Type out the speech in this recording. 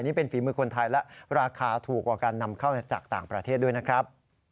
นี่เป็นฝีมือคนไทยและราคาถูกกว่าการนำเข้าจากต่างประเทศด้วยนะครับ